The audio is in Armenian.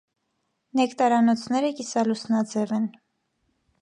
Նեկտարանոցները կիսալուսնաձև են։